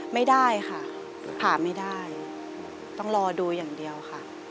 ไม่ได้ค่ะผ่าไม่ได้ต้องรอดูอย่างเดียวค่ะ